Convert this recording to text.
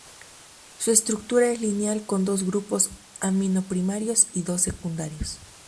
Su estructura es lineal con dos grupos amino primarios y dos secundarios.